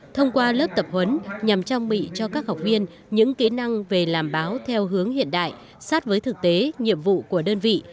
thông qua lớp tập huấn nhằm trang bị cho các học viên những kỹ năng về làm báo theo hướng hiện đại sát với thực tế nhiệm vụ của đơn vị